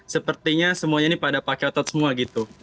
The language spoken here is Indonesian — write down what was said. sepertinya semuanya ini pada pakai otot semua gitu